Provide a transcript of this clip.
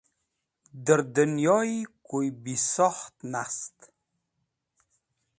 Dẽr dẽnyoyi koy bisokht nast.